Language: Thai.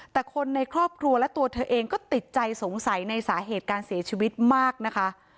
แต่คนในครอบครัวและตัวเธอเองก็ติดใจสงสัยในสาเหตุการเสียชีวิตมากนะคะ